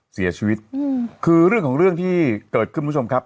เสียชีวิตอืมคือเรื่องของเรื่องที่เกิดขึ้นคุณผู้ชมครับ